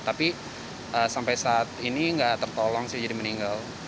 tapi sampai saat ini nggak tertolong sih jadi meninggal